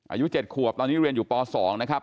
อายุ๗ขวบตอนนี้เรียนอยู่ป๒นะครับ